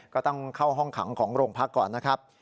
ก็ต้องเข้าห้องขังของโรงพักก่อนนะครับ